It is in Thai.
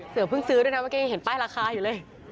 เพิ่งซื้อด้วยนะเมื่อกี้ยังเห็นป้ายราคาอยู่เลย